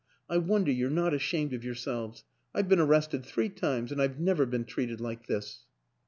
I wonder you're not ashamed of yourselves. I've been arrested three times and I've never been treated like this."